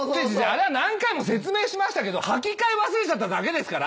あれは何回も説明しましたけど履き替え忘れちゃっただけですから。